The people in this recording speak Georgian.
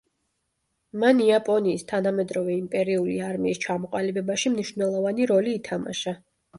მან იაპონიის თანამედროვე იმპერიული არმიის ჩამოყალიბებაში მნიშვნელოვანი როლი ითამაშა.